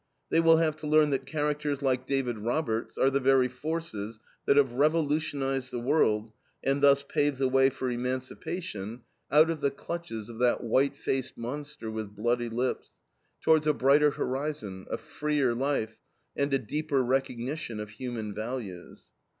They will have to learn that characters like David Roberts are the very forces that have revolutionized the world and thus paved the way for emancipation out of the clutches of that "white faced monster with bloody lips," towards a brighter horizon, a freer life, and a deeper recognition of human values.